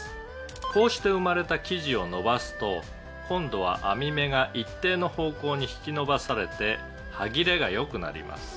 「こうして生まれた生地を伸ばすと今度は網目が一定の方向に引き伸ばされて歯切れが良くなります」